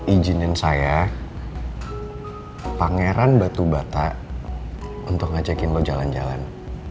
izinin saya pangeran batu bata untuk ngecekin lo jalan jalan